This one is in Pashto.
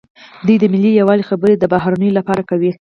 دوی د ملي یووالي خبرې د بهرنیانو لپاره کوي.